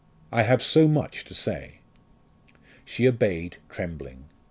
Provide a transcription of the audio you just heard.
I have so much to say!" She obeyed trembling.